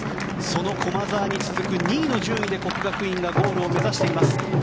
その駒澤に続く２位の順位で國學院がゴールを目指しています。